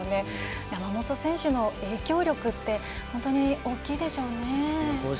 山本選手の影響力って本当に大きいでしょうね。